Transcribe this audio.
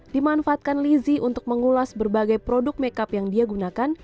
dimanfaatkan lizzie untuk mengulas berbagai produk makeup yang dia gunakan